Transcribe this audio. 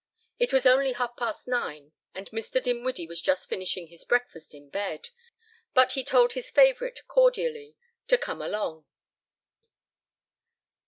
It was only half past nine and Mr. Dinwiddie was just finishing his breakfast in bed, but he told his favorite cordially to "come along."